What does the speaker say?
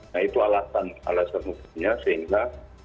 nah itu alasan alasan mungkinnya sehingga